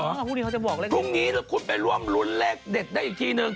พรุ่งนี้ถ้าคุณไปร่วมรุนเลขเด็ดได้อีกทีหนึ่ง